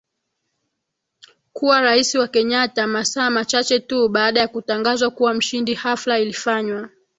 kuwa rais wa Kenya masaa machache tu baada ya kutangazwa kuwa mshindi hafla ilifanywa